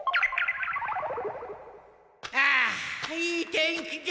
ああいい天気じゃ。